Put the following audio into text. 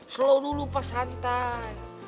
slow dulu pas santai